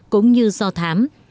cũng như do thám